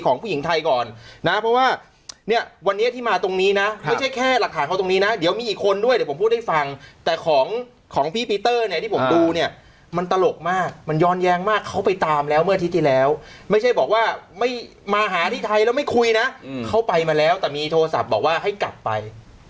ของพี่พีเตอร์เนี่ยที่ผมดูเนี่ยมันตลกมากมันย้อนแย้งมากเขาไปตามแล้วเมื่ออาทิตย์ที่แล้วไม่ใช่บอกว่าไม่มาหาที่ไทยแล้วไม่คุยนะเข้าไปมาแล้วแต่มีโทรศัพท์บอกว่าให้กลับไป